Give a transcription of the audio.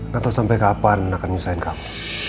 gatau sampe kapan akan nyusahin kamu